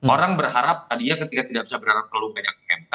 orang berharap tadinya ketika tidak bisa berharap terlalu banyak mk